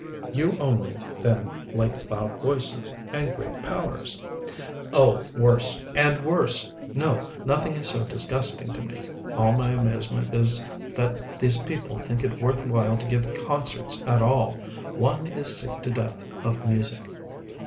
"You only, then, like loud voices, and great powers?" "Oh, worse and worse! no, nothing is so disgusting to me. All my amazement is that these people think it worth while to give concerts at all one is sick to death of music."